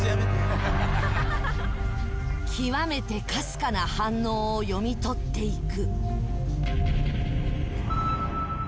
「極めてかすかな反応を読み取っていく」